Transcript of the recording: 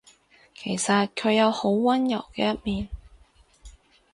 其實佢有好溫柔嘅一面